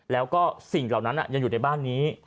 แล้วก็สิ่งเหล่านั้นยังอยู่ในบ้านนี้